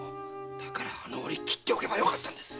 だからあの折斬っておけばよかったんです。